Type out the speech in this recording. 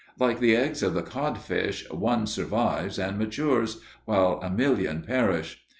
Like the eggs of the codfish, one survives and matures, while a million perish.